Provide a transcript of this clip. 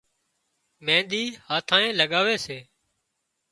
مينۮِي هاٿانئي لڳاوي سي